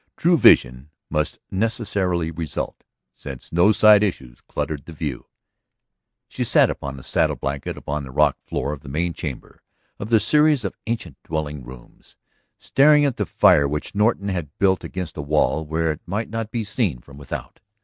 True vision must necessarily result, since no side issues cluttered the view. She sat upon a saddle blanket upon the rock floor of the main chamber of the series of ancient dwelling rooms, staring at the fire which Norton had builded against a wall where it might not be seen from without.